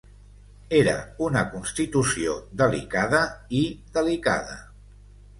Era una constitució delicada i delicada.